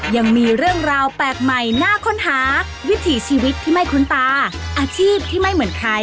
ยังมีเรื่องราวแปลกใหม่น่าค้นหาวิถีชีวิตที่ไม่คุ้นตาอาชีพที่ไม่เหมือนใคร